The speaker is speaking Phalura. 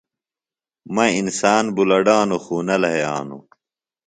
مہ انسان بُلڈانوۡ خوۡ نہ لھیانوۡ